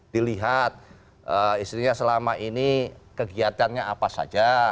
dilihat istrinya selama ini kegiatannya apa saja